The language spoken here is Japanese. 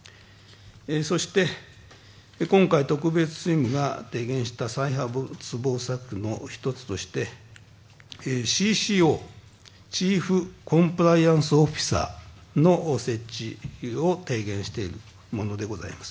そして今回、特別チームが提言した再発防止策としましてＣＣＯ、チーフコンプライアンスオフィサーの設置を提言しているものでございます。